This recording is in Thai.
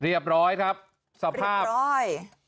เรียบร้อย